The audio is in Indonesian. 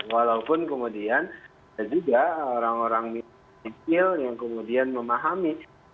walaupun kemudian ada juga orang orang kecil yang kemudian memahami